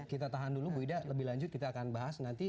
kita tahan dulu bu ida lebih lanjut kita akan bahas nanti